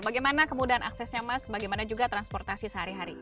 bagaimana kemudahan aksesnya mas bagaimana juga transportasi sehari hari